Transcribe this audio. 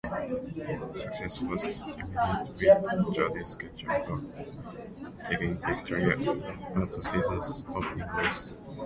Success was immediate with Jody Scheckter taking victory at the season's opening race.